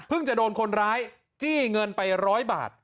พึ่งจะโดนคนร้ายจี้เงินไปร้อยบาท